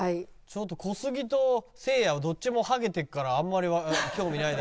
ちょっと小杉とせいやはどっちもハゲてるからあんまり興味ない。